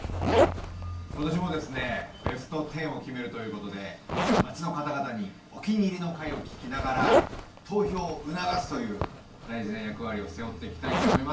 今年もですねベスト１０を決めるということで町の方々にお気に入りの回を聞きながら投票を促すという大事な役割を背負っていきたいと思います。